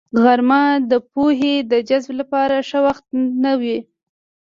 غرمه د پوهې د جذب لپاره ښه وخت نه وي